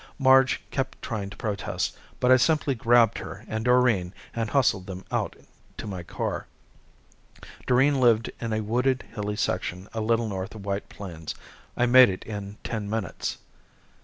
Marge kept trying to protest, but I simply grabbed her and Doreen and hustled them out to my car. Doreen lived in a wooded, hilly section a little north of White Plains. I made it in ten minutes.